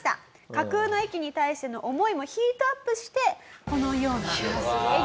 架空の駅に対しての思いもヒートアップしてこのような絵になったと。